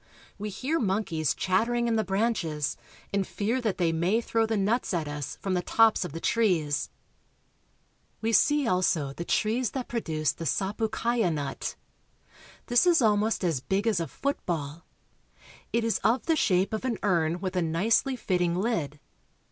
We hear monkeys chattering in the branches, and fear that they may throw the nuts at us from the tops of the trees. 324 BRAZIL. We see also the trees that produce the sapucai'a nut. This is almost as big as a football. It is of the shape of an urn with a nicely fitting lid.